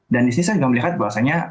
dan disini saya juga melihat bahwasannya